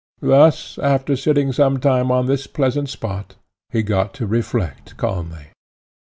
Thus, after sitting some time on this pleasant spot, he got to reflect calmly.